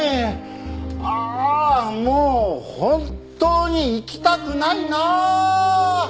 ああもう本当に行きたくないなあ！